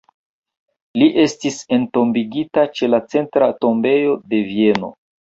Li estis entombigita ĉe la Centra Tombejo de Vieno.